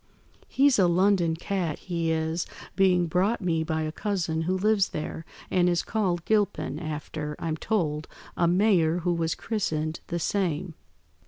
He's a London cat, he is, being brought me by a cousin who lives there, and is called Gilpin, after, I'm told, a mayor who was christened the same.